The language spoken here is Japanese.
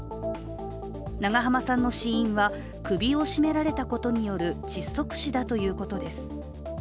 長濱さんの死因は首を絞められたことによる窒息死だということです。